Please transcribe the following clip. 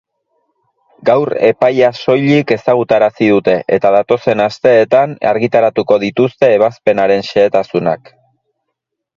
Gaur epaia soilik ezagutarazi dute eta datozen asteetan argitaratuko dituzte ebazpenaren xehetasunak.